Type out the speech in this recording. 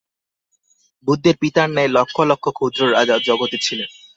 বুদ্ধের পিতার ন্যায় লক্ষ লক্ষ ক্ষুদ্র রাজা জগতে ছিলেন।